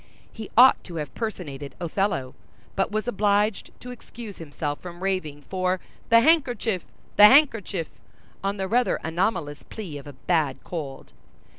He ought to have personated Othello, but was obliged to excuse himself from raving for "the handkerchief! the handkerchief!" on the rather anomalous plea of a bad cold.